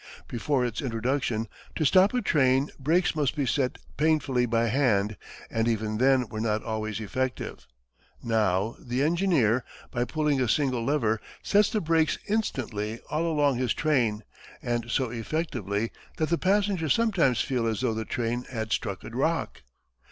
Before its introduction, to stop a train brakes must be set painfully by hand, and even then were not always effective. Now, the engineer, by pulling a single lever, sets the brakes instantly all along his train, and so effectively that the passengers sometimes feel as though the train had struck a rock.